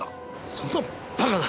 そんなバカな！